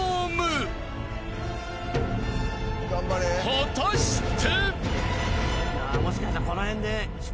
［果たして］